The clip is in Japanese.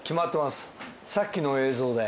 さっきの映像で。